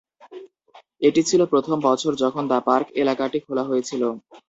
এটি ছিল প্রথম বছর যখন "দ্য পার্ক" এলাকাটি খোলা হয়েছিল।